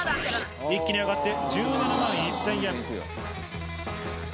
一気に上がって、１７万１０００円。